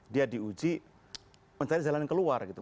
dia diuji mencari jalan yang keluar gitu